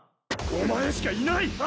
お前しかいないあたる！